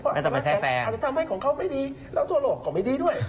อาจจะทำให้ของเขาไม่ดีแล้วทั่วโลกเขาไม่ดีด้วย